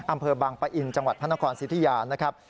อำเภอบางปะอินจังหวัดพระนครสิทธิยานะครับ